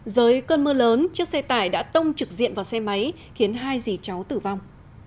giới cơn mưa lớn chiếc xe tải đã tông trực diện vào xe máy khiến hai dì cháu tử vong